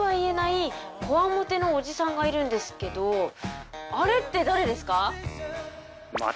こわもてのおじさんがいるんですけどあれって誰ですか？